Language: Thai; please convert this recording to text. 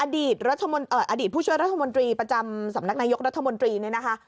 อดีตผู้ช่วยรัฐมนตรีประจำสำนักนายกรัฐมนตรีเนี่ยนะคะ